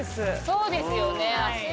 そうですよね足湯。